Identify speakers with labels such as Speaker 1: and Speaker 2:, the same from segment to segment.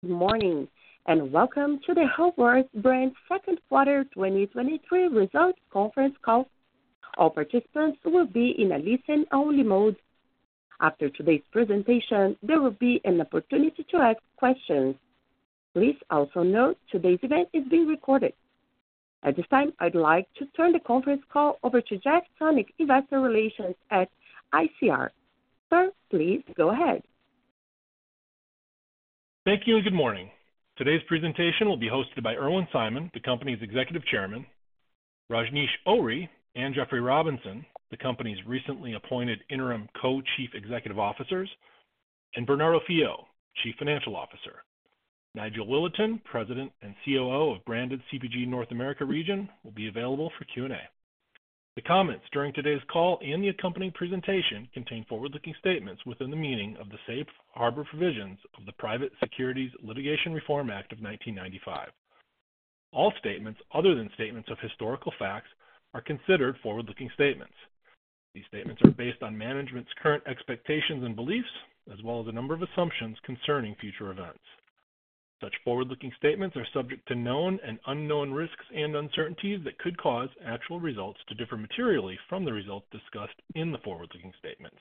Speaker 1: Good morning, and welcome to the Whole Earth Brands Q2 2023 results conference call. All participants will be in a listen-only mode. After today's presentation, there will be an opportunity to ask questions. Please also note today's event is being recorded. At this time, I'd like to turn the conference call over to Jeff Sonnek, Investor Relations at ICR. Sir, please go ahead.
Speaker 2: Thank you. Good morning. Today's presentation will be hosted by Irwin Simon, the company's Executive Chairman, Rajnish Ohri and Jeffrey Robinson, the company's recently appointed interim co-Chief Executive Officers, and Bernardo Fiaux, Chief Financial Officer. Nigel Willerton, President and COO of Branded CPG North America region, will be available for Q&A. The comments during today's call and the accompanying presentation contain forward-looking statements within the meaning of the Safe Harbor Provisions of the Private Securities Litigation Reform Act of 1995. All statements other than statements of historical facts are considered forward-looking statements. These statements are based on management's current expectations and beliefs, as well as a number of assumptions concerning future events. Such forward-looking statements are subject to known and unknown risks and uncertainties that could cause actual results to differ materially from the results discussed in the forward-looking statements.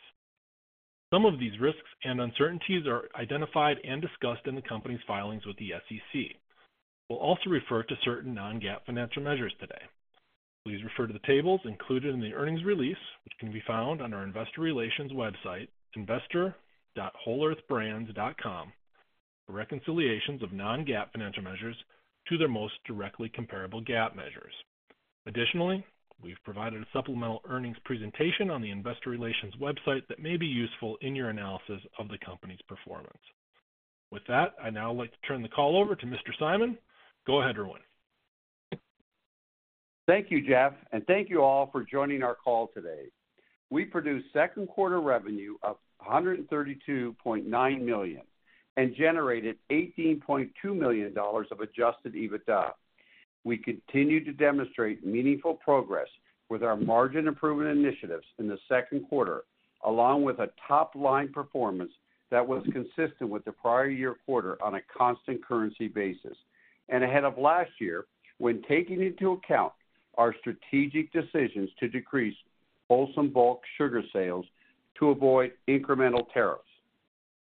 Speaker 2: Some of these risks and uncertainties are identified and discussed in the company's filings with the SEC. We'll also refer to certain non-GAAP financial measures today. Please refer to the tables included in the earnings release, which can be found on our investor relations website, investor.wholeearthbrands.com, for reconciliations of non-GAAP financial measures to their most directly comparable GAAP measures. Additionally, we've provided a supplemental earnings presentation on the investor relations website that may be useful in your analysis of the company's performance. With that, I'd now like to turn the call over to Mr. Simon. Go ahead, Irwin.
Speaker 3: Thank you, Jeff, and thank you all for joining our call today. We produced Q2 revenue of $132.9 million and generated $18.2 million of Adjusted EBITDA. We continued to demonstrate meaningful progress with our margin improvement initiatives in Q2, along with a top-line performance that was consistent with the prior year quarter on a constant currency basis, and ahead of last year, when taking into account our strategic decisions to decrease Wholesome bulk sugar sales to avoid incremental tariffs.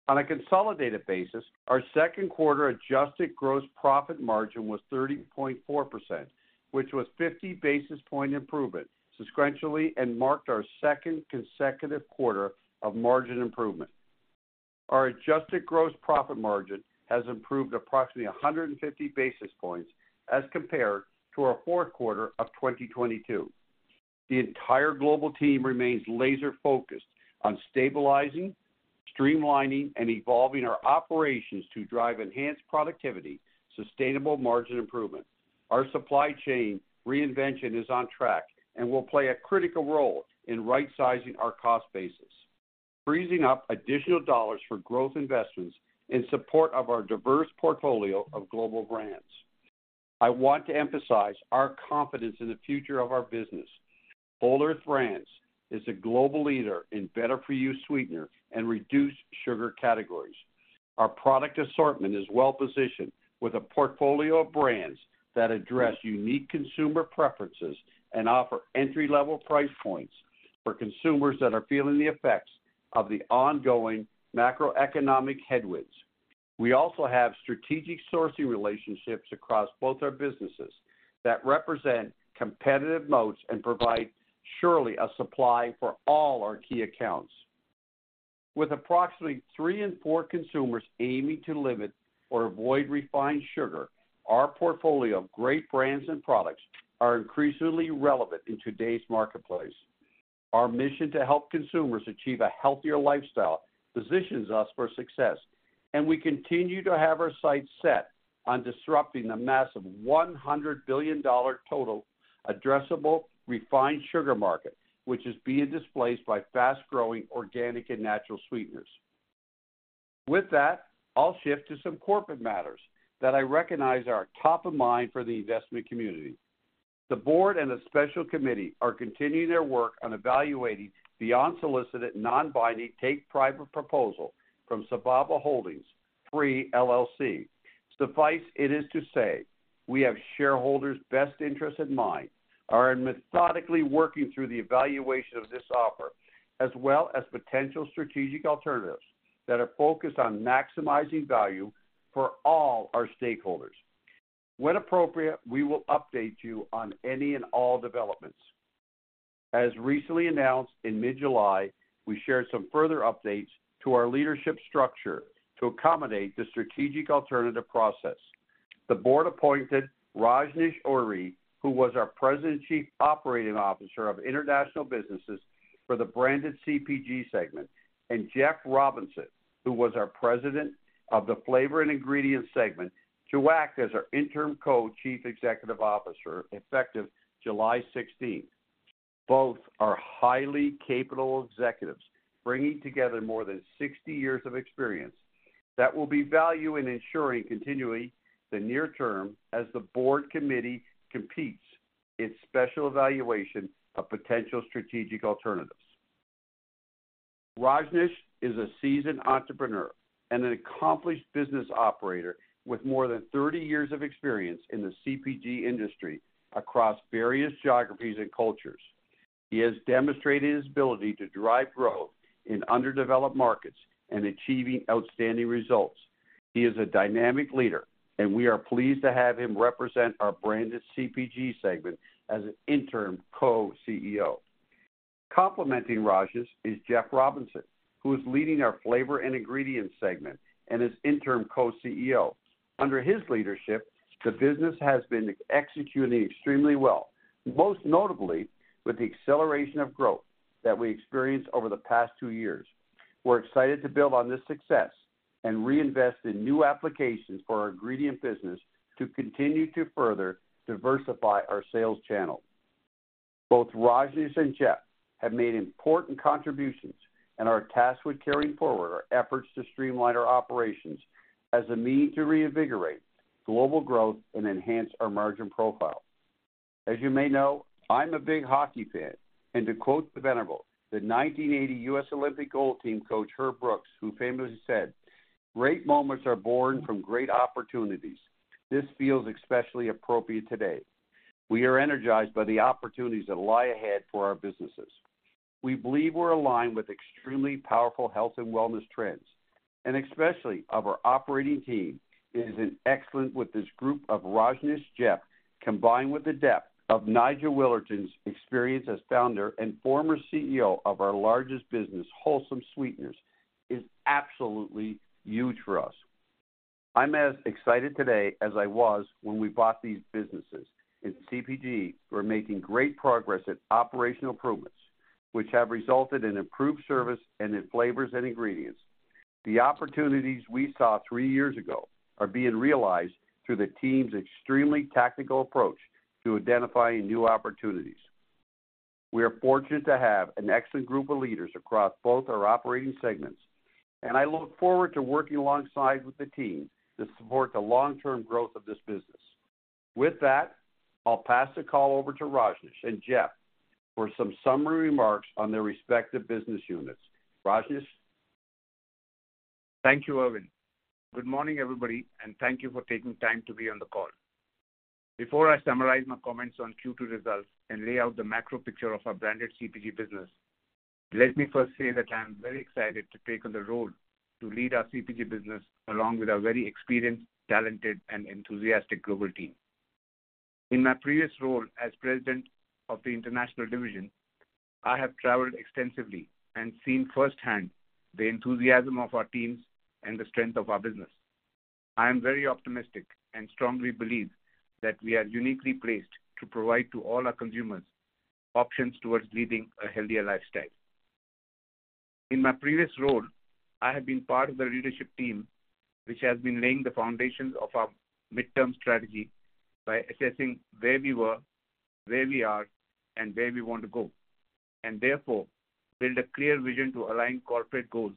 Speaker 3: On a consolidated basis, our Q2 adjusted gross profit margin was 30.4%, which was 50 basis point improvement sequentially and marked our second consecutive quarter of margin improvement. Our adjusted gross profit margin has improved approximately 150 basis points as compared to our fourth quarter of 2022. The entire global team remains laser-focused on stabilizing, streamlining, and evolving our operations to drive enhanced productivity, sustainable margin improvement. Our supply chain reinvention is on track and will play a critical role in right sizing our cost basis, freezing up additional dollars for growth investments in support of our diverse portfolio of global brands. I want to emphasize our confidence in the future of our business. Whole Earth Brands is a global leader in better for you sweetener and reduced sugar categories. Our product assortment is well positioned with a portfolio of brands that address unique consumer preferences and offer entry-level price points for consumers that are feeling the effects of the ongoing macroeconomic headwinds. We also have strategic sourcing relationships across both our businesses that represent competitive moats and provide surely a supply for all our key accounts. With approximately 3 in 4 consumers aiming to limit or avoid refined sugar, our portfolio of great brands and products are increasingly relevant in today's marketplace. Our mission to help consumers achieve a healthier lifestyle positions us for success, and we continue to have our sights set on disrupting the massive $100 billion total addressable refined sugar market, which is being displaced by fast-growing organic and natural sweeteners. With that, I'll shift to some corporate matters that I recognize are top of mind for the investment community. The board and the special committee are continuing their work on evaluating the unsolicited, non-binding, take-private proposal from Sababa Holdings FREE, LLC. Suffice it is to say We have shareholders' best interests in mind and are methodically working through the evaluation of this offer, as well as potential strategic alternatives that are focused on maximizing value for all our stakeholders. When appropriate, we will update you on any and all developments. As recently announced in mid-July, we shared some further updates to our leadership structure to accommodate the strategic alternative process. The board appointed Rajnish Ohri, who was our President, Chief Operating Officer of International Businesses for the Branded CPG segment, and Jeffrey Robinson, who was our President of the Flavors & Ingredients segment, to act as our interim co-CEO, effective July 16th. Both are highly capable executives, bringing together more than 60 years of experience that will be value in ensuring continually the near term as the board committee competes its special evaluation of potential strategic alternatives. Rajnish is a seasoned entrepreneur and an accomplished business operator with more than 30 years of experience in the CPG industry across various geographies and cultures. He has demonstrated his ability to drive growth in underdeveloped markets and achieving outstanding results. He is a dynamic leader, and we are pleased to have him represent our Branded CPG segment as an interim co-CEO. Complementing Rajnish is Jeffrey Robinson, who is leading our Flavors & Ingredients segment and is interim co-CEO. Under his leadership, the business has been executing extremely well, most notably with the acceleration of growth that we experienced over the past 2 years. We're excited to build on this success and reinvest in new applications for our ingredient business to continue to further diversify our sales channel. Both Rajnish and Jeffrey have made important contributions and are tasked with carrying forward our efforts to streamline our operations as a means to reinvigorate global growth and enhance our margin profile. As you may know, I'm a big hockey fan, and to quote the venerable, the 1980 US Olympic gold team coach, Herb Brooks, who famously said, "Great moments are born from great opportunities." This feels especially appropriate today. We are energized by the opportunities that lie ahead for our businesses. We believe we're aligned with extremely powerful health and wellness trends, and especially of our operating team. It is an excellent with this group of Rajnish, Jeff, combined with the depth of Nigel Willerton's experience as founder and former CEO of our largest business, Wholesome Sweeteners, is absolutely huge for us. I'm as excited today as I was when we bought these businesses. In CPG, we're making great progress at operational improvements, which have resulted in improved service and in Flavors & Ingredients. The opportunities we saw three years ago are being realized through the team's extremely tactical approach to identifying new opportunities. We are fortunate to have an excellent group of leaders across both our operating segments, and I look forward to working alongside with the team to support the long-term growth of this business. With that, I'll pass the call over to Rajnish and Jeff for some summary remarks on their respective business units. Rajnish?
Speaker 4: Thank you, Irwin. Good morning, everybody. Thank you for taking time to be on the call. Before I summarize my comments on Q2 results and lay out the macro picture of our Branded CPG business, let me first say that I am very excited to take on the role to lead our CPG business, along with our very experienced, talented, and enthusiastic global team. In my previous role as President of the International Division, I have traveled extensively and seen firsthand the enthusiasm of our teams and the strength of our business. I am very optimistic and strongly believe that we are uniquely placed to provide to all our consumers options towards leading a healthier lifestyle. In my previous role, I have been part of the leadership team, which has been laying the foundations of our midterm strategy by assessing where we were, where we are, and where we want to go. Therefore, build a clear vision to align corporate goals,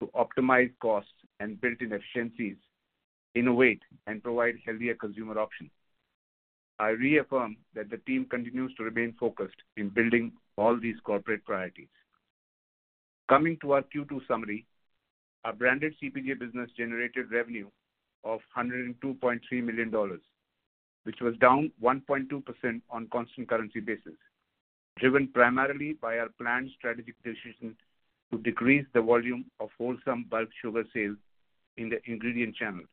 Speaker 4: to optimize costs and build in efficiencies, innovate, and provide healthier consumer options. I reaffirm that the team continues to remain focused in building all these corporate priorities. Coming to our Q2 summary, our Branded CPG business generated revenue of $102.3 million, which was down 1.2% on constant currency basis, driven primarily by our planned strategic decision to decrease the volume of Wholesome bulk sugar sales in the ingredient channel,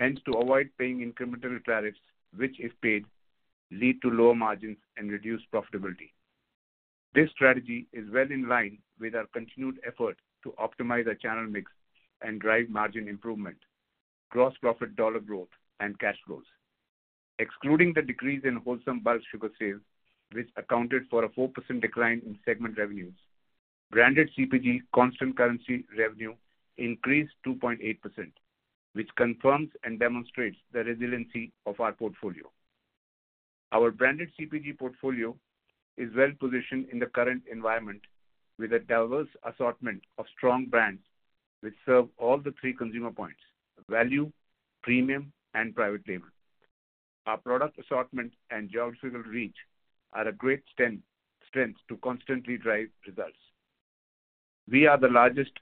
Speaker 4: hence, to avoid paying incremental tariffs, which, if paid, lead to lower margins and reduce profitability. This strategy is well in line with our continued effort to optimize our channel mix and drive margin improvement, gross profit, dollar growth, and cash flows. Excluding the decrease in Wholesome bulk sugar sales, which accounted for a 4% decline in segment revenues, Branded CPG constant currency revenue increased 2.8%, which confirms and demonstrates the resiliency of our portfolio. Our Branded CPG portfolio is well positioned in the current environment with a diverse assortment of strong brands, which serve all the three consumer points: value, premium, and private label. Our product assortment and geographical reach are a great strength, strength to constantly drive results. We are the largest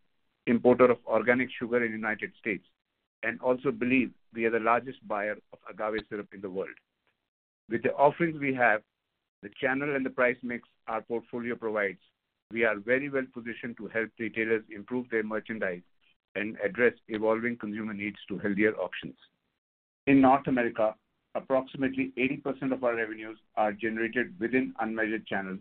Speaker 4: importer of organic sugar in the United States and also believe we are the largest buyer of agave syrup in the world. With the offerings we have, the channel and the price mix our portfolio provides, we are very well positioned to help retailers improve their merchandise and address evolving consumer needs to healthier options. In North America, approximately 80% of our revenues are generated within unmeasured channels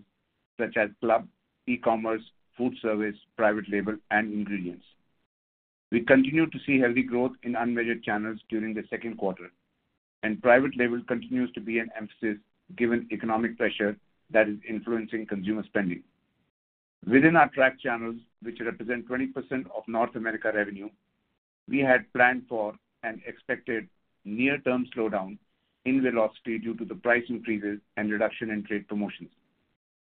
Speaker 4: such as club, e-commerce, food service, private label, and ingredients. We continue to see healthy growth in unmeasured channels during Q2, and private label continues to be an emphasis, given economic pressure that is influencing consumer spending. Within our tracked channels, which represent 20% of North America revenue, we had planned for and expected near-term slowdown in velocity due to the price increases and reduction in trade promotions.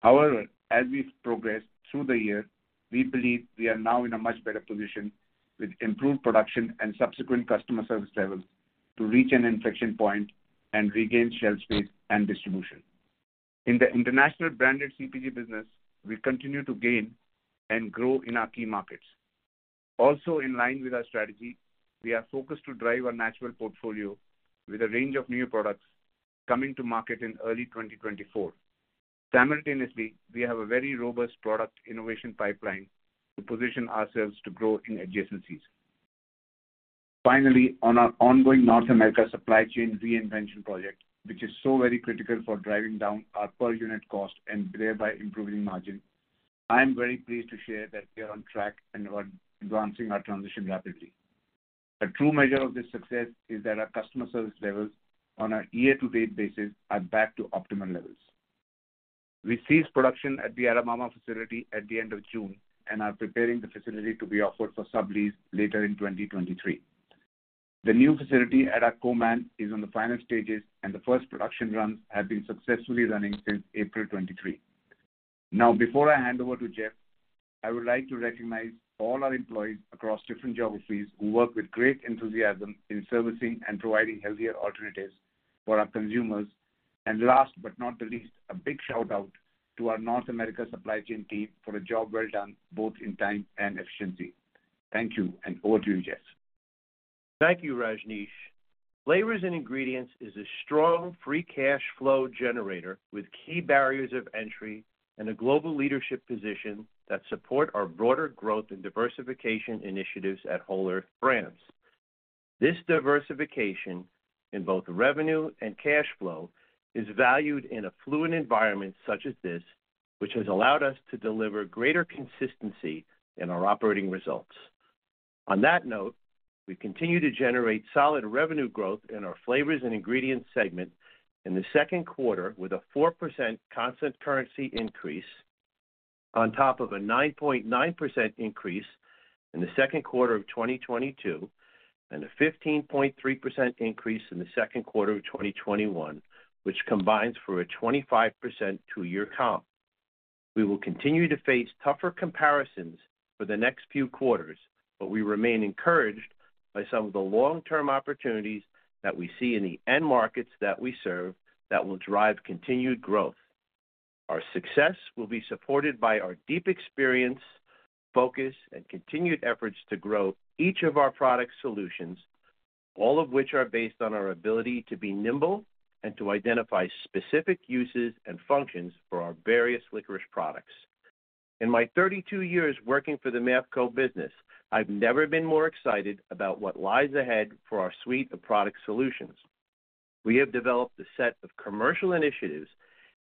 Speaker 4: However, as we've progressed through the year, we believe we are now in a much better position with improved production and subsequent customer service levels to reach an inflection point and regain shelf space and distribution. In the International Branded CPG business, we continue to gain and grow in our key markets. Also, in line with our strategy, we are focused to drive our natural portfolio with a range of new products coming to market in early 2024. Simultaneously, we have a very robust product innovation pipeline to position ourselves to grow in adjacencies. Finally, on our ongoing North America Supply Chain Reinvention Project, which is so very critical for driving down our per unit cost and thereby improving margin, I am very pleased to share that we are on track and are advancing our transition rapidly. A true measure of this success is that our customer service levels on a year-to-date basis are back to optimal levels. We ceased production at the Alabama facility at the end of June and are preparing the facility to be offered for sublease later in 2023. The new facility at our command is on the final stages, and the first production runs have been successfully running since April 2023. Now, before I hand over to Jeff, I would like to recognize all our employees across different geographies who work with great enthusiasm in servicing and providing healthier alternatives for our consumers. Last but not the least, a big shout out to our North America supply chain team for a job well done, both in time and efficiency. Thank you, and over to you, Jeff.
Speaker 5: Thank you, Rajnish. Flavors & Ingredients is a strong free cash flow generator with key barriers of entry and a global leadership position that support our broader growth and diversification initiatives at Whole Earth Brands. This diversification in both revenue and cash flow is valued in a fluid environment such as this, which has allowed us to deliver greater consistency in our operating results. On that note, we continue to generate solid revenue growth in our Flavors & Ingredients segment in Q2, with a 4% constant currency increase on top of a 9.9% increase in Q2 of 2022, and a 15.3% increase in Q2 of 2021, which combines for a 25% 2-year comp. We will continue to face tougher comparisons for the next few quarters, but we remain encouraged by some of the long-term opportunities that we see in the end markets that we serve that will drive continued growth. Our success will be supported by our deep experience, focus, and continued efforts to grow each of our product solutions, all of which are based on our ability to be nimble and to identify specific uses and functions for our various licorice products. In my 32 years working for the Mafco Business, I've never been more excited about what lies ahead for our suite of product solutions. We have developed a set of commercial initiatives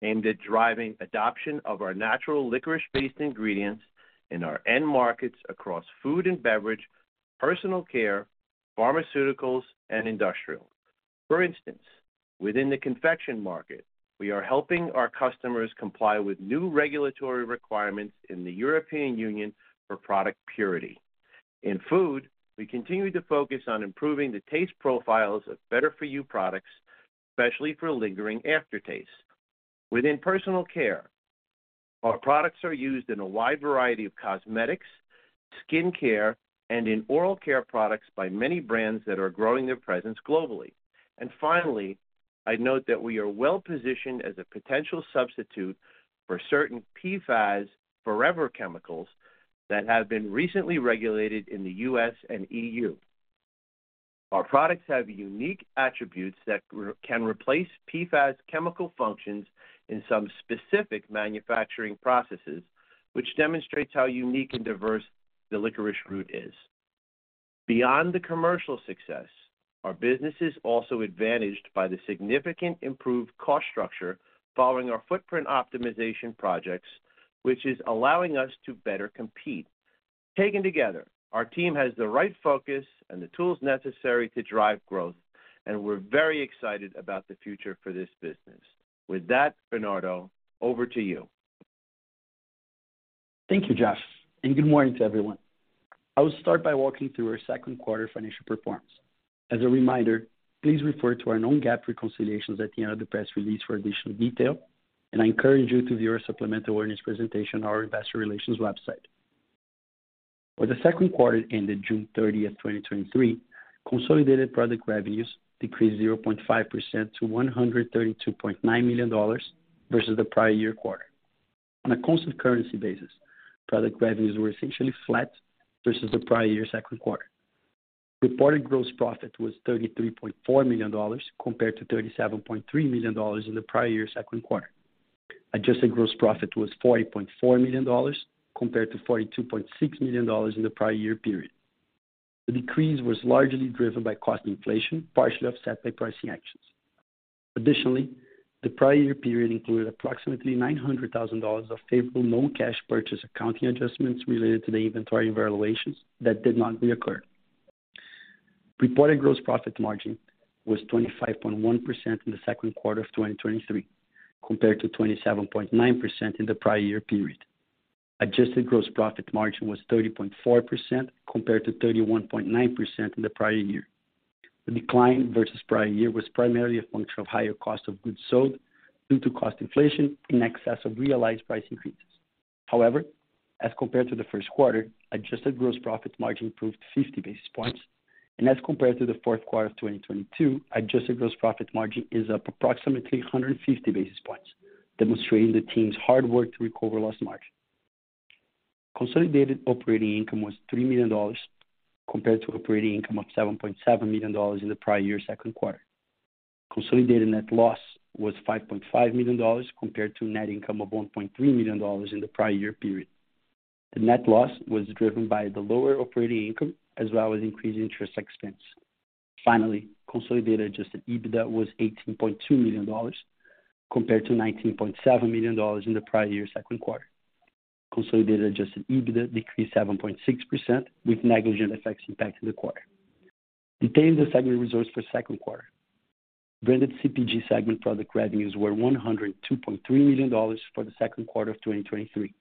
Speaker 5: aimed at driving adoption of our natural licorice-based ingredients in our end markets across food and beverage, personal care, pharmaceuticals, and industrial. For instance, within the confection market, we are helping our customers comply with new regulatory requirements in the European Union for product purity. In food, we continue to focus on improving the taste profiles of better-for-you products, especially for lingering aftertaste. Within personal care, our products are used in a wide variety of cosmetics, skin care, and in oral care products by many brands that are growing their presence globally. Finally, I'd note that we are well-positioned as a potential substitute for certain PFAS forever chemicals that have been recently regulated in the U.S. and E.U. Our products have unique attributes that can replace PFAS chemical functions in some specific manufacturing processes, which demonstrates how unique and diverse the licorice root is. Beyond the commercial success, our business is also advantaged by the significant improved cost structure following our footprint optimization projects, which is allowing us to better compete. Taken together, our team has the right focus and the tools necessary to drive growth, and we're very excited about the future for this business. With that, Bernardo, over to you.
Speaker 6: Thank you, Jeff, and good morning to everyone. I will start by walking through our Q2 financial performance. As a reminder, please refer to our non-GAAP reconciliations at the end of the press release for additional detail, and I encourage you to view our supplemental earnings presentation on our investor relations website. For Q2 ended June 30, 2023, consolidated product revenues decreased 0.5% to $132.9 million versus the prior year quarter. On a constant currency basis, product revenues were essentially flat versus the prior year's Q2. Reported gross profit was $33.4 million compared to $37.3 million in the prior year's Q2. Adjusted gross profit was $40.4 million compared to $42.6 million in the prior year period. The decrease was largely driven by cost inflation, partially offset by pricing actions. Additionally, the prior year period included approximately $900,000 of favorable non-cash purchase accounting adjustments related to the inventory evaluations that did not reoccur. Reported gross profit margin was 25.1% in Q2 of 2023, compared to 27.9% in the prior year period. Adjusted gross profit margin was 30.4% compared to 31.9% in the prior year. The decline versus prior year was primarily a function of higher cost of goods sold due to cost inflation in excess of realized price increases. However, as compared to the first quarter, adjusted gross profit margin improved 50 basis points, and as compared to the fourth quarter of 2022, adjusted gross profit margin is up approximately 150 basis points, demonstrating the team's hard work to recover lost margin. Consolidated operating income was $3 million, compared to operating income of $7.7 million in the prior year Q2. Consolidated net loss was $5.5 million, compared to net income of $1.3 million in the prior year period. The net loss was driven by the lower operating income as well as increased interest expense. Finally, consolidated Adjusted EBITDA was $18.2 million, compared to $19.7 million in the prior year Q2. Consolidated Adjusted EBITDA decreased 7.6%, with negligible effects impacting the quarter. Detailing the segment results for Q2. Branded CPG segment product revenues were $102.3 million for Q2 of 2023,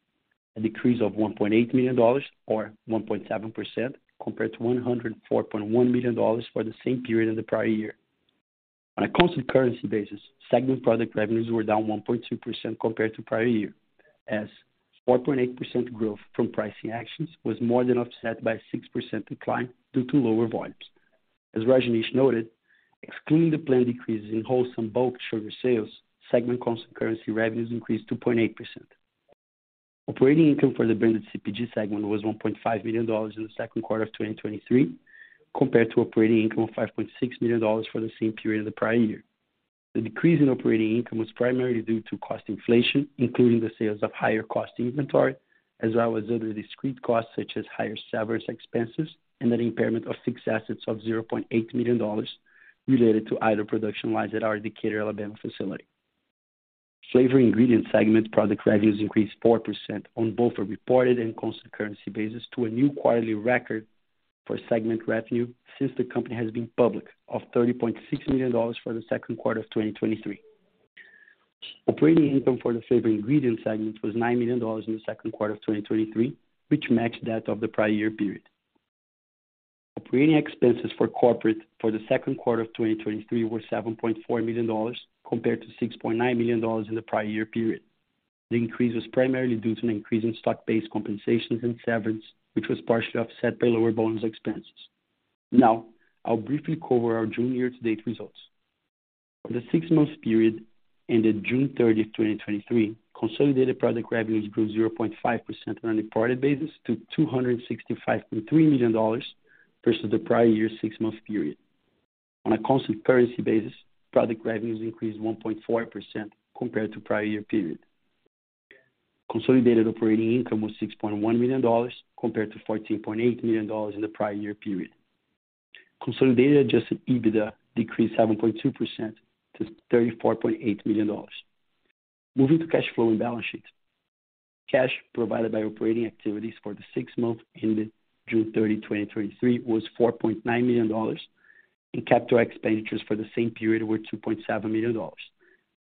Speaker 6: a decrease of $1.8 million or 1.7% compared to $104.1 million for the same period of the prior year. On a constant currency basis, segment product revenues were down 1.2% compared to prior year, as 4.8% growth from pricing actions was more than offset by a 6% decline due to lower volumes. As Rajnish noted, excluding the planned decreases in Wholesome bulk sugar sales, segment constant currency revenues increased 2.8%. Operating income for the Branded CPG segment was $1.5 million in Q2 of 2023, compared to operating income of $5.6 million for the same period of the prior year. The decrease in operating income was primarily due to cost inflation, including the sales of higher cost inventory, as well as other discrete costs such as higher severance expenses and an impairment of fixed assets of $0.8 million related to idle production lines at our Decatur, Alabama facility. Flavor & Ingredient segment product revenues increased 4% on both a reported and constant currency basis, to a new quarterly record for segment revenue since the company has been public, of $30.6 million for Q2 of 2023. Operating income for the Flavors & Ingredients segment was $9 million in Q2 of 2023, which matched that of the prior year period. Operating expenses for corporate for Q2 of 2023 were $7.4 million, compared to $6.9 million in the prior year period. The increase was primarily due to an increase in stock-based compensations and severance, which was partially offset by lower bonus expenses. Now, I'll briefly cover our June year-to-date results. For the six-month period ended June thirtieth, 2023, consolidated product revenues grew 0.5% on a reported basis to $265.3 million versus the prior year six-month period. On a constant currency basis, product revenues increased 1.4% compared to prior year period. Consolidated operating income was $6.1 million, compared to $14.8 million in the prior year period. Consolidated Adjusted EBITDA decreased 7.2% to $34.8 million. Moving to cash flow and balance sheets. Cash provided by operating activities for the six months ended June 30, 2023, was $4.9 million. Capital expenditures for the same period were $2.7 million,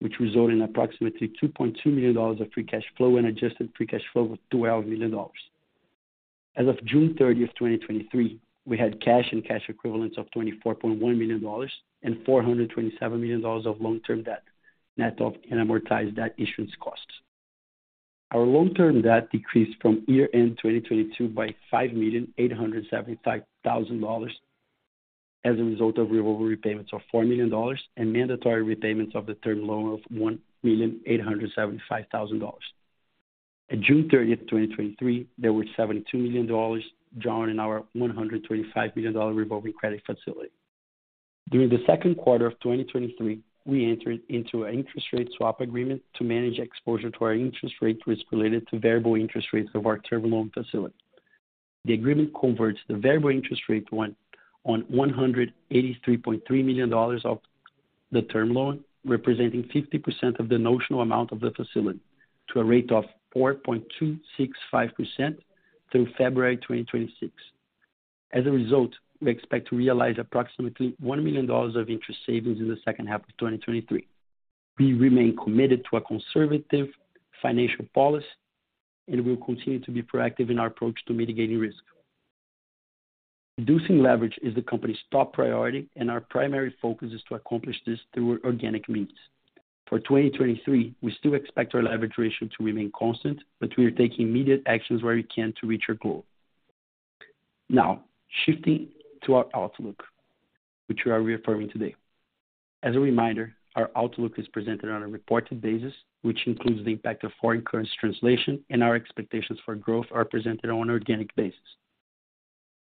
Speaker 6: which resulted in approximately $2.2 million of free cash flow and adjusted free cash flow of $12 million. As of June 30, 2023, we had cash and cash equivalents of $24.1 million and $427 million of long-term debt, net of and amortized debt issuance costs. Our long-term debt decreased from year-end 2022 by $5,875,000 as a result of revolver repayments of $4 million and mandatory repayments of the term loan of $1,875,000. At June 30th, 2023, there were $72 million drawn in our $125 million revolving credit facility. During Q2 of 2023, we entered into an interest rate swap agreement to manage exposure to our interest rate risk related to variable interest rates of our term loan facility. The agreement converts the variable interest rate on $183.3 million of the term loan, representing 50% of the notional amount of the facility, to a rate of 4.265% through February 2026. As a result, we expect to realize approximately $1 million of interest savings in the second half of 2023. We remain committed to a conservative financial policy, We will continue to be proactive in our approach to mitigating risk. Reducing leverage is the company's top priority, and our primary focus is to accomplish this through organic means. For 2023, we still expect our leverage ratio to remain constant, We are taking immediate actions where we can to reach our goal. Now, shifting to our outlook, which we are reaffirming today. As a reminder, our outlook is presented on a reported basis, which includes the impact of foreign currency translation, and our expectations for growth are presented on an organic basis.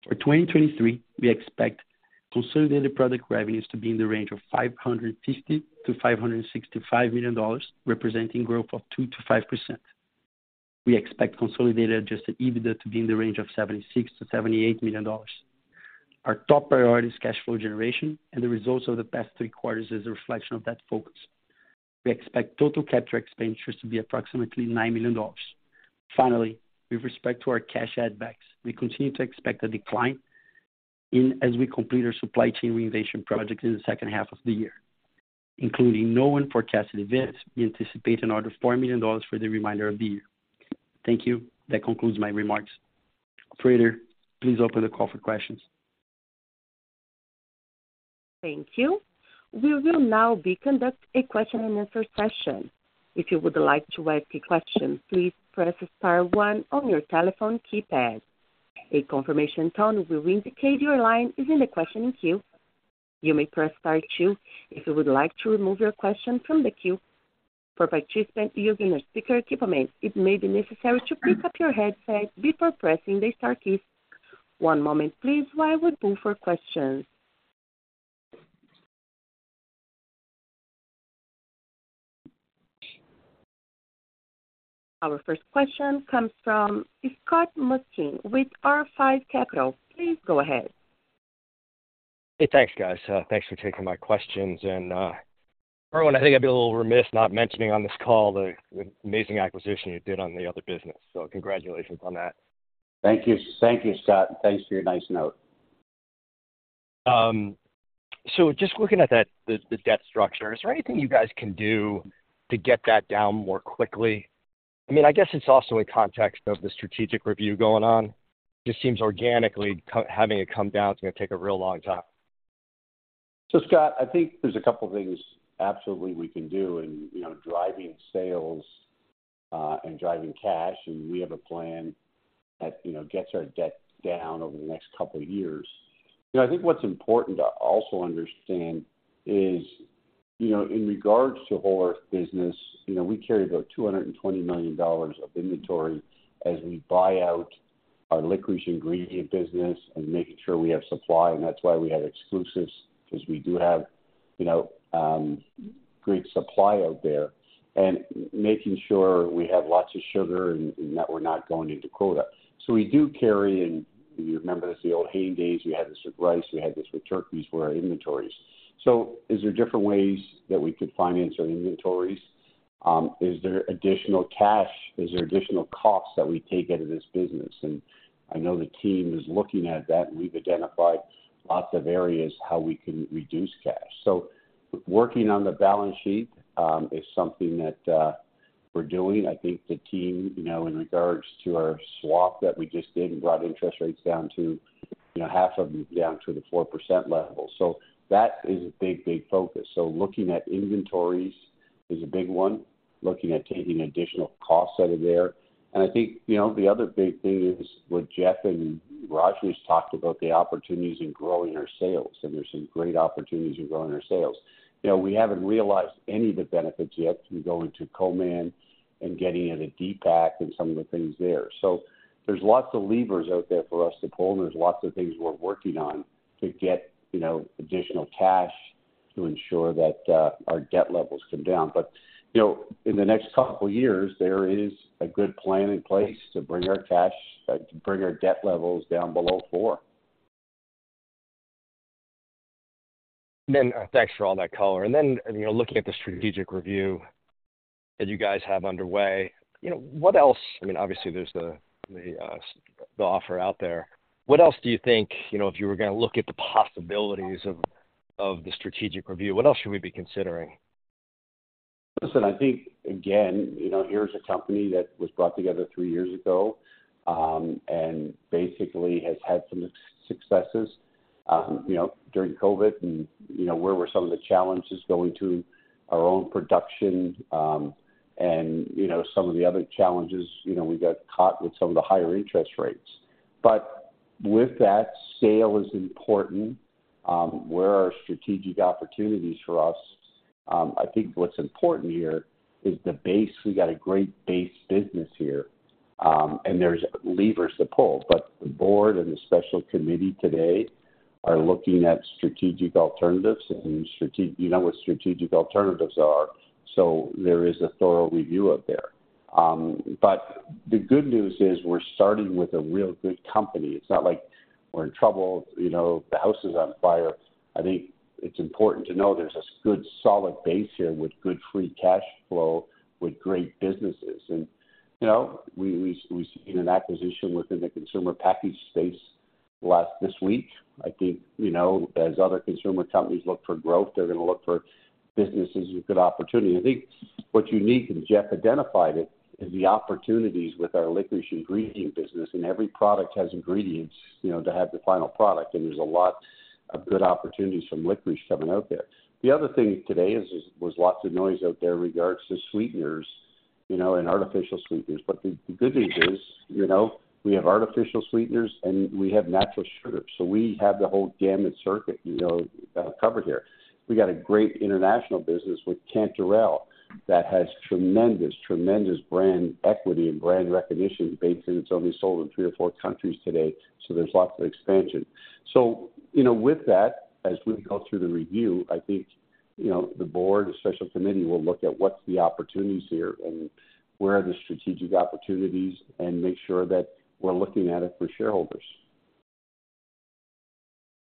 Speaker 6: For 2023, we expect consolidated product revenues to be in the range of $550 million-$565 million, representing growth of 2%-5%. We expect consolidated Adjusted EBITDA to be in the range of $76 million-$78 million. Our top priority is cash flow generation, the results of the past three quarters is a reflection of that focus. We expect total capital expenditures to be approximately $9 million. Finally, with respect to our cash add backs, we continue to expect a decline as we complete our supply chain reinvention project in the second half of the year. Including known forecasted events, we anticipate an order of $4 million for the remainder of the year. Thank you. That concludes my remarks. Operator, please open the call for questions.
Speaker 1: Thank you. We will now be conduct a question-and-answer session. If you would like to ask a question, please press star one on your telephone keypad. A confirmation tone will indicate your line is in the questioning queue. You may press star two if you would like to remove your question from the queue. For participants using a speaker equipment, it may be necessary to pick up your headset before pressing the star keys. One moment please, while we wait for questions. Our first question comes from Scott Mushkin with R5 Capital. Please go ahead.
Speaker 7: Hey, thanks, guys. Thanks for taking my questions. Irwin, I think I'd be a little remiss not mentioning on this call the amazing acquisition you did on the other business. Congratulations on that.
Speaker 3: Thank you. Thank you, Scott. Thanks for your nice note.
Speaker 7: Just looking at that, the, the debt structure, is there anything you guys can do to get that down more quickly? I mean, I guess it's also in context of the strategic review going on. Just seems organically having it come down, it's gonna take a real long time.
Speaker 3: Scott, I think there's a couple of things absolutely we can do, and, you know, driving sales and driving cash, and we have a plan that, you know, gets our debt down over the next couple of years. I think what's important to also understand is, you know, in regards to Whole Earth business, you know, we carry about $220 million of inventory as we buy out our licorice ingredient business and making sure we have supply, and that's why we have exclusives, 'cause we do have, you know, great supply out there. Making sure we have lots of sugar and, and that we're not going into quota. We do carry, and you remember this, the old hay days, we had this with rice, we had this with turkeys, were our inventories. Is there different ways that we could finance our inventories? Is there additional cash? Is there additional costs that we take out of this business? I know the team is looking at that, and we've identified lots of areas how we can reduce cash. Working on the balance sheet is something that we're doing. I think the team, you know, in regards to our swap that we just did and brought interest rates down to, you know, half of them, down to the 4% level. That is a big, big focus. Looking at inventories is a big one, looking at taking additional costs out of there. I think, you know, the other big thing is what Jeff and Rajnish has talked about, the opportunities in growing our sales, and there's some great opportunities in growing our sales. We haven't realized any of the benefits yet to go into Co-man and getting in a deep act and some of the things there. There's lots of levers out there for us to pull, and there's lots of things we're working on to get, you know, additional cash to ensure that our debt levels come down. You know, in the next couple of years, there is a good plan in place to bring our cash to bring our debt levels down below 4.
Speaker 7: Thanks for all that color. Then, looking at the strategic review that you guys have underway, you know, what else, I mean, obviously, there's the, offer out there. What else do you think, you know, if you were gonna look at the possibilities of, of the strategic review, what else should we be considering?
Speaker 3: Listen, I think, again, you know, here's a company that was brought together three years ago, and basically has had some successes, you know, during COVID, and, you know, where were some of the challenges going to our own production, and, you know, some of the other challenges. We got caught with some of the higher interest rates. With that, sale is important. Where are strategic opportunities for us? I think what's important here is the base. We got a great base business here, and there's levers to pull. The board and the special committee today are looking at strategic alternatives, you know what strategic alternatives are, so there is a thorough review out there. The good news is we're starting with a real good company. It's not like we're in trouble, you know, the house is on fire. I think it's important to know there's a good, solid base here with good free cash flow, with great businesses. We've seen an acquisition within the consumer package space last, this week. I think, as other consumer companies look for growth, they're gonna look for businesses with good opportunity. I think what's unique, and Jeff identified it, is the opportunities with our licorice ingredient business, and every product has ingredients, you know, to have the final product, and there's a lot of good opportunities from licorice coming out there. The other thing today is, was lots of noise out there regards to sweeteners, you know, and artificial sweeteners. The, the good news is, you know, we have artificial sweeteners and we have natural sugars, so we have the whole gamut circuit, you know, covered here. We got a great international business with Canderel that has tremendous, tremendous brand equity and brand recognition based, and it's only sold in three or four countries today, so there's lots of expansion. With that, as we go through the review, I think, you know, the board, the special committee, will look at what's the opportunities here and where are the strategic opportunities, and make sure that we're looking at it for shareholders.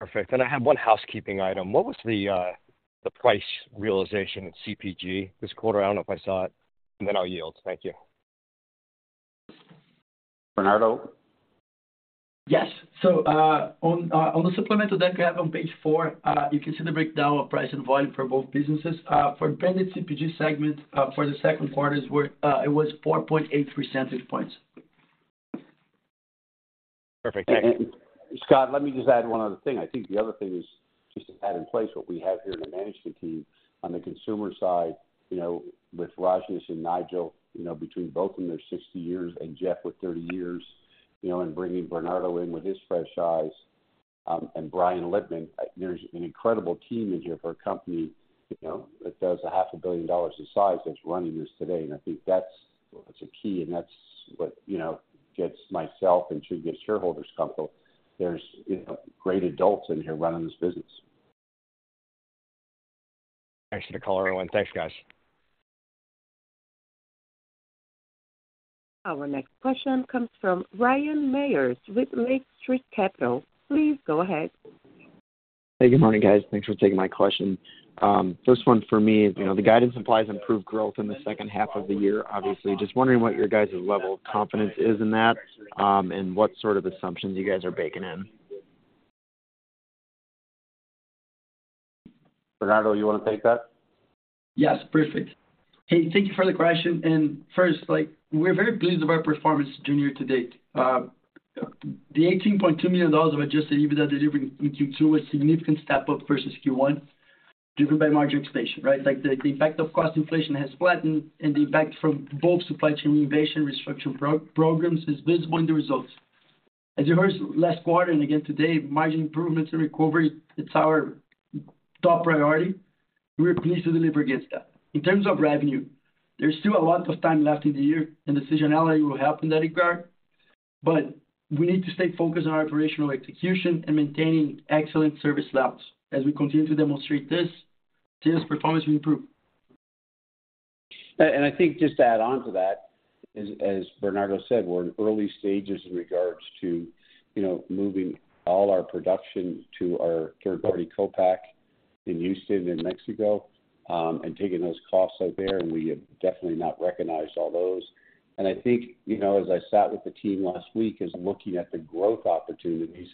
Speaker 7: Perfect. I have one housekeeping item. What was the price realization at CPG this quarter? I don't know if I saw it. Then I'll yield. Thank you.
Speaker 3: Bernardo?
Speaker 6: Yes. On the supplemental deck we have on page 4, you can see the breakdown of price and volume for both businesses. For Branded CPG segment, for Q2 is where it was 4.8 percentage points.
Speaker 7: Perfect, thank you.
Speaker 3: Scott, let me just add one other thing. I think the other thing is just to add in place what we have here in the management team on the consumer side, you know, with Rajnish and Nigel, you know, between both of them, they're 60 years, and Jeff with 30 years, you know, and bringing Bernardo in with his fresh eyes, and Brian Litman. There's an incredible team in here for a company, you know, that does $500 million in size that's running this today. I think that's, that's a key, and that's what, you know, gets myself and should give shareholders comfortable. There's, you know, great adults in here running this business.
Speaker 7: Thanks for the call, everyone. Thanks, guys.
Speaker 1: Our next question comes from Ryan Meyers with Lake Street Capital. Please go ahead.
Speaker 8: Hey, good morning, guys. Thanks for taking my question. First one for me is, you know, the guidance implies improved growth in the second half of the year, obviously. Just wondering what your guys' level of confidence is in that, and what sort of assumptions you guys are baking in?
Speaker 3: Bernardo, you want to take that?
Speaker 6: Yes, perfect. Hey, thank you for the question. First, like, we're very pleased with our performance year-to-date. The $18.2 million of Adjusted EBITDA delivered in Q2 was a significant step up versus Q1, driven by margin expansion, right? The impact of cost inflation has flattened, and the impact from both supply chain innovation, restructuring programs is visible in the results. As you heard last quarter and again today, margin improvements and recovery, it's our top priority. We're pleased to deliver against that. In terms of revenue, there's still a lot of time left in the year, and seasonality will help in that regard, but we need to stay focused on our operational execution and maintaining excellent service levels. As we continue to demonstrate this, see this performance will improve.
Speaker 3: I think just to add on to that, as Bernardo said, we're in early stages in regards to, you know, moving all our production to our third-party co-pack in Houston and Mexico, and taking those costs out there, and we have definitely not recognized all those. I think, you know, as I sat with the team last week, is looking at the growth opportunities,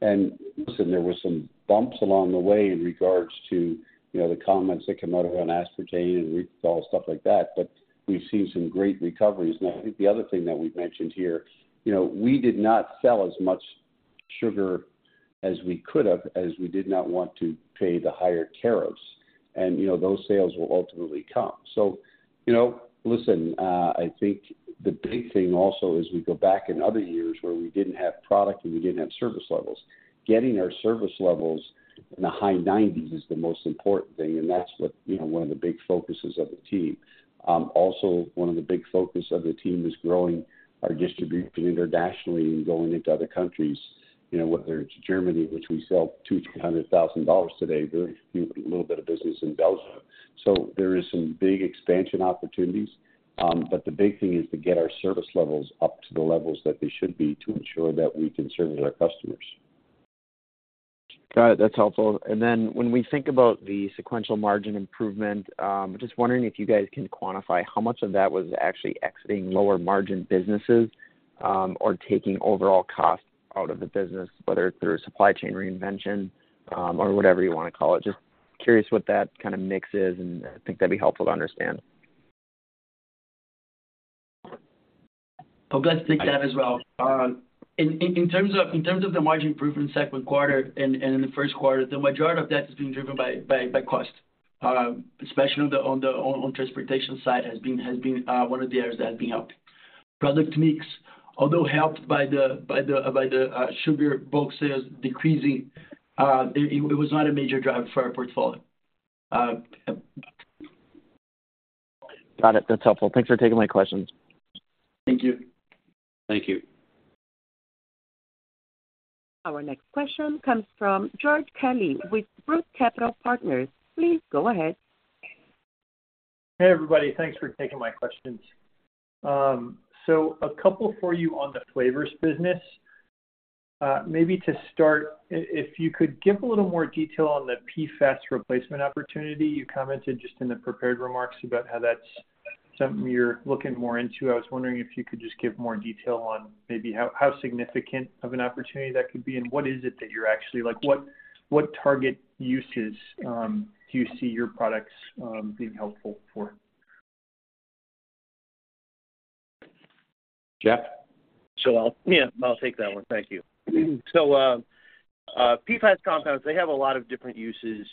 Speaker 3: and listen, there were some bumps along the way in regards to, you know, the comments that came out around aspartame, and we saw stuff like that, but we've seen some great recoveries. Now, I think the other thing that we've mentioned here, you know, we did not sell as much sugar as we could have, as we did not want to pay the higher tariffs. You know, those sales will ultimately come. I think the big thing also is we go back in other years where we didn't have product and we didn't have service levels. Getting our service levels in the high 90s is the most important thing, and that's what, you know, one of the big focuses of the team. Also one of the big focus of the team is growing our distribution internationally and going into other countries, you know, whether it's Germany, which we sell $200,000-$300,000 today, very a little bit of business in Belgium. There is some big expansion opportunities, but the big thing is to get our service levels up to the levels that they should be to ensure that we can service our customers.
Speaker 8: Got it. That's helpful. Then when we think about the sequential margin improvement, just wondering if you guys can quantify how much of that was actually exiting lower margin businesses, or taking overall costs out of the business, whether through supply chain reinvention, or whatever you want to call it. Just curious what that kind of mix is, and I think that'd be helpful to understand.
Speaker 6: I'll take that as well. In, in terms of, in terms of the margin improvement Q2 and, in the first quarter, the majority of that is being driven by, cost, especially on the transportation side, has been, has been one of the areas that has been helped. Product mix, although helped by the, sugar bulk sales decreasing, it, it was not a major driver for our portfolio.
Speaker 8: Got it. That's helpful. Thanks for taking my questions.
Speaker 6: Thank you.
Speaker 3: Thank you.
Speaker 1: Our next question comes from George Kelly with Roth MKM. Please go ahead.
Speaker 9: Hey, everybody. Thanks for taking my questions. A couple for you on the flavors business. Maybe to start, if, if you could give a little more detail on the PFAS replacement opportunity. You commented just in the prepared remarks about how that's something you're looking more into. I was wondering if you could just give more detail on maybe how, how significant of an opportunity that could be, and what is it that you're actually? What, what target uses, do you see your products, being helpful for?
Speaker 3: Jeff?
Speaker 5: Yeah, I'll take that one. Thank you. PFAS compounds, they have a lot of different uses,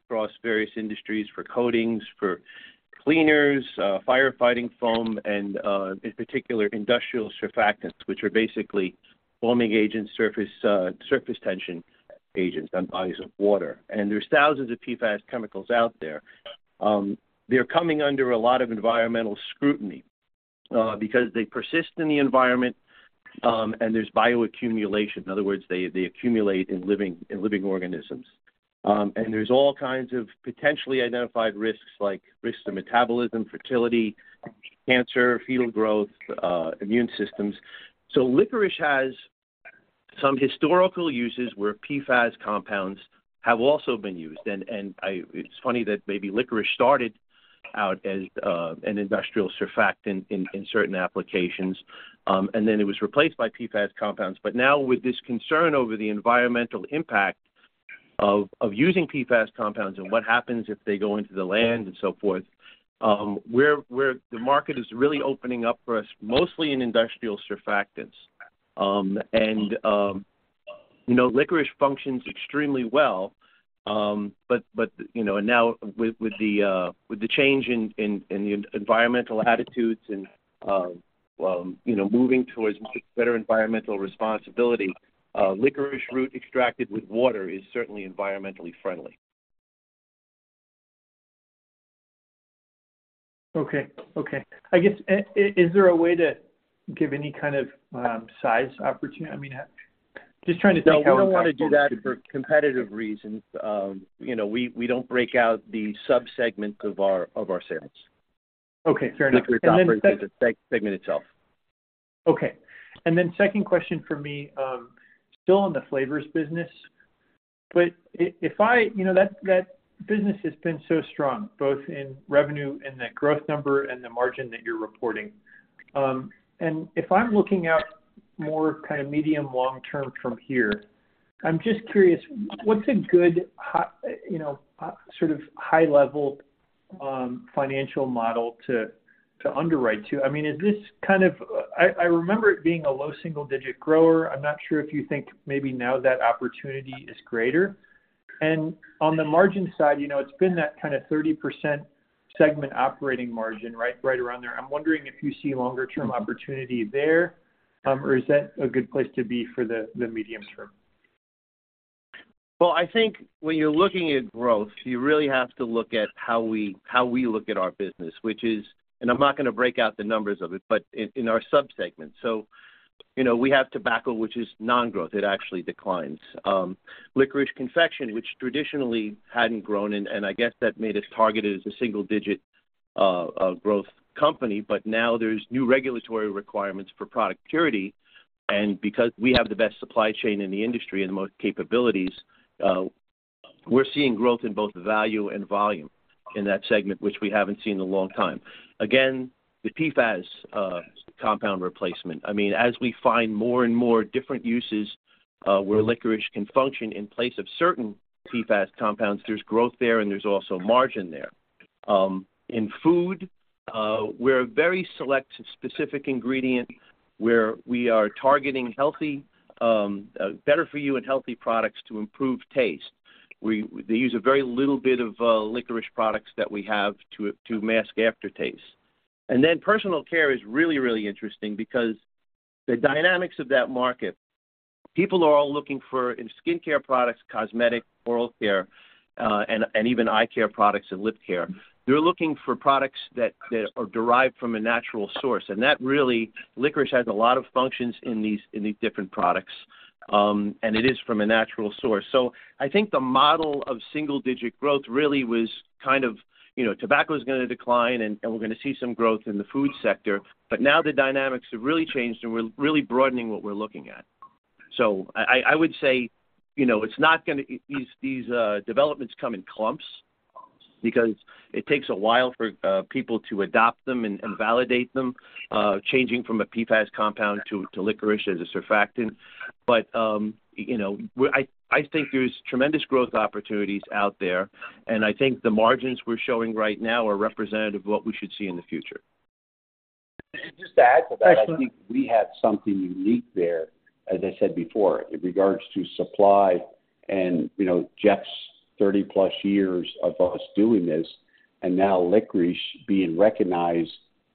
Speaker 5: across various industries for coatings, for cleaners, firefighting foam, and, in particular, industrial surfactants, which are basically foaming agents, surface, surface tension agents on bodies of water. There's thousands of PFAS chemicals out there. They're coming under a lot of environmental scrutiny, because they persist in the environment, and there's bioaccumulation. In other words, they, they accumulate in living, in living organisms. There's all kinds of potentially identified risks, like risks to metabolism, fertility, cancer, fetal growth, immune systems. Licorice has some historical uses where PFAS compounds have also been used. It's funny that maybe licorice started out as an industrial surfactant in certain applications, and then it was replaced by PFAS compounds. Now with this concern over the environmental impact of using PFAS compounds and what happens if they go into the land and so forth. Where, where the market is really opening up for us, mostly in industrial surfactants. Licorice functions extremely well, and now with, with the change in, the environmental attitudes and, well, you know, moving towards much better environmental responsibility, licorice root extracted with water is certainly environmentally friendly.
Speaker 9: Okay. I guess, is, is there a way to give any kind of size opportunity? I mean, just trying to think how-
Speaker 5: No, we don't wanna do that for competitive reasons. We don't break out the subsegments of our, of our sales.
Speaker 9: Okay, fair enough.
Speaker 5: Licorice operates as a segment itself.
Speaker 9: Okay, second question for me, still on the flavors business, but if I... You know, that, that business has been so strong, both in revenue and the growth number and the margin that you're reporting. If I'm looking out more kind of medium long term from here, I'm just curious, what's a good high, you know, sort of high-level financial model to, underwrite to? I mean, is this kind of..., I remember it being a low single-digit grower. I'm not sure if you think maybe now that opportunity is greater. On the margin side, you know, it's been that kind of 30% segment operating margin, right? Right around there. I'm wondering if you see longer-term opportunity there, or is that a good place to be for the, the medium term?
Speaker 5: Well, I think when you're looking at growth, you really have to look at how we, how we look at our business, which is. I'm not gonna break out the numbers of it, but in, in our subsegments. You know, we have tobacco, which is non-growth. It actually declines. Licorice confection, which traditionally hadn't grown, and, and I guess that made us targeted as a single-digit growth company. Now there's new regulatory requirements for product purity, and because we have the best supply chain in the industry and the most capabilities, we're seeing growth in both value and volume in that segment, which we haven't seen in a long time. Again, the PFAS compound replacement. I mean, as we find more and more different uses, where licorice can function in place of certain PFAS compounds, there's growth there, and there's also margin there. In food, we're a very select specific ingredient where we are targeting healthy, better for you and healthy products to improve taste. They use a very little bit of licorice products that we have to mask aftertaste. Then personal care is really, really interesting because the dynamics of that market, people are all looking for, in skincare products, cosmetic, oral care, and, and even eye care products and lip care. They're looking for products that, that are derived from a natural source, and that really, licorice has a lot of functions in these, in these different products, and it is from a natural source. I think the model of single-digit growth really was kind of, you know, tobacco is gonna decline, we're gonna see some growth in the food sector. Now the dynamics have really changed, and we're really broadening what we're looking at. I would say, you know, it's not gonna. These, these developments come in clumps because it takes a while for people to adopt them and validate them, changing from a PFAS compound to licorice as a surfactant. You know, we're I, I think there's tremendous growth opportunities out there, and I think the margins we're showing right now are representative of what we should see in the future.
Speaker 3: Just to add to that.
Speaker 9: Excellent.
Speaker 3: I think we have something unique there, as I said before, in regards to supply and, Jeff's 30-plus years of us doing this, and now licorice being recognized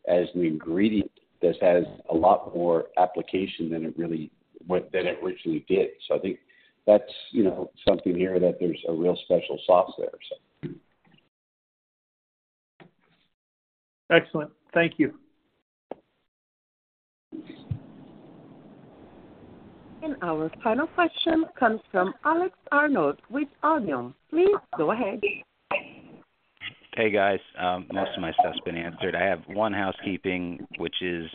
Speaker 3: as an ingredient that has a lot more application than it originally did. I think that's, you know, something here that there's a real special sauce there, so.
Speaker 9: Excellent. Thank you.
Speaker 1: Our final question comes from Alex Arnold with Odeon Capital Group. Please go ahead.
Speaker 10: Hey, guys. Most of my stuff's been answered. I have one housekeeping, which is,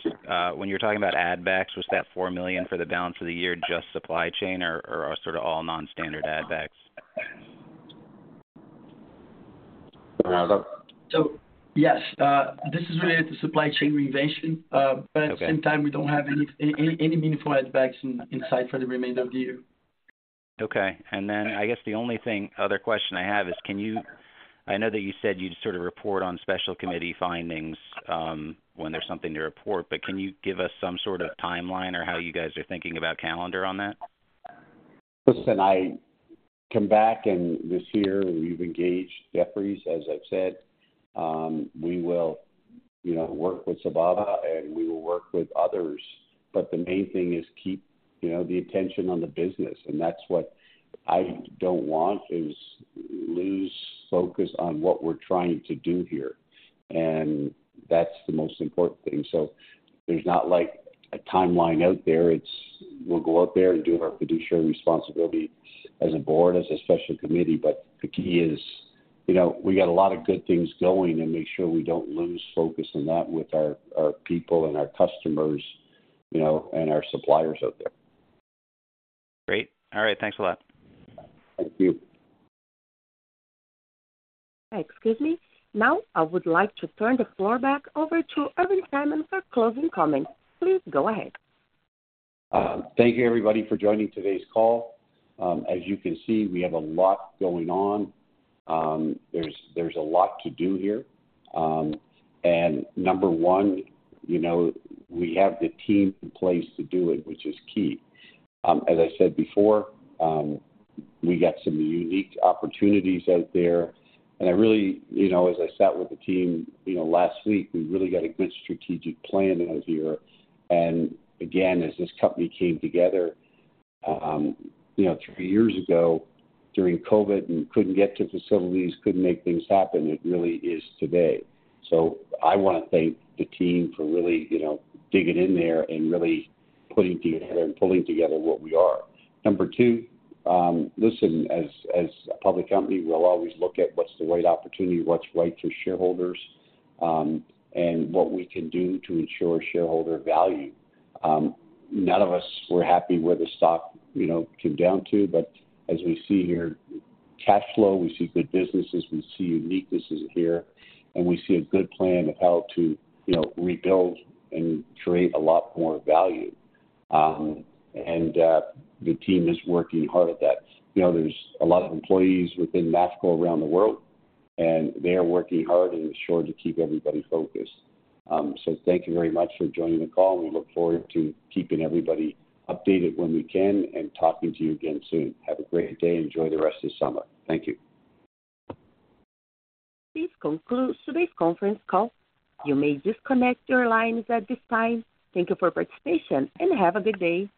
Speaker 10: when you're talking about add backs, was that $4 million for the down for the year, just supply chain or, or sort of all non-standard add backs?
Speaker 3: Bernardo?
Speaker 6: Yes, this is related to supply chain reinvention.
Speaker 10: Okay.
Speaker 6: At the same time, we don't have any meaningful add backs in inside for the remainder of the year.
Speaker 10: Okay, I guess the only thing, other question I have is, can you-- I know that you said you'd sort of report on special committee findings, when there's something to report, but can you give us some sort of timeline or how you guys are thinking about calendar on that?
Speaker 3: Listen, I come back, this year we've engaged Jefferies, as I've said. We will, you know, work with Sababa, and we will work with others. The main thing is keep, you know, the attention on the business, and that's what I don't want, is lose focus on what we're trying to do here. That's the most important thing. There's not like a timeline out there. It's, we'll go out there and do our fiduciary responsibility as a board, as a special committee. The key is, you know, we got a lot of good things going and make sure we don't lose focus on that with our, our people and our customers, you know, and our suppliers out there.
Speaker 10: Great. All right, thanks a lot.
Speaker 3: Thank you.
Speaker 1: Excuse me. Now, I would like to turn the floor back over to Irwin Simon for closing comments. Please go ahead.
Speaker 3: Thank you, everybody, for joining today's call. As you can see, we have a lot going on. There's, there's a lot to do here. Number one, you know, we have the team in place to do it, which is key. As I said before, we got some unique opportunities out there, and I really, you know, as I sat with the team, you know, last week, we've really got a good strategic plan out here. Again, as this company came together, you know, 3 years ago during COVID and couldn't get to facilities, couldn't make things happen, it really is today. I want to thank the team for really, you know, digging in there and really putting together and pulling together what we are. Number two, listen, as, as a public company, we'll always look at what's the right opportunity, what's right for shareholders, and what we can do to ensure shareholder value. None of us were happy where the stock, you know, came down to, but as we see here, cash flow, we see good businesses, we see uniqueness here, and we see a good plan of how to, you know, rebuild and create a lot more value. The team is working hard at that. There's a lot of employees within Mafco around the world, and they are working hard and ensuring to keep everybody focused. Thank you very much for joining the call, and we look forward to keeping everybody updated when we can and talking to you again soon. Have a great day, enjoy the rest of summer. Thank you.
Speaker 1: This concludes today's conference call. You may disconnect your lines at this time. Thank you for participation, and have a good day.